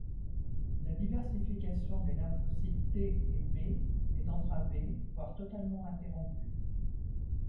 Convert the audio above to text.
La diversification des lymphocytes T et B est entravée, voir totalement interrompue.